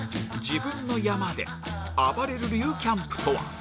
自分の山であばれる流キャンプとは？